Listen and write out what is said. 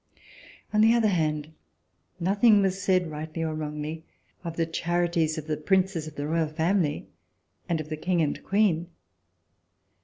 On the other hand, nothing was said, rightly or wrongly, of the charities of the Princes of the Royal family and of the King and Queen.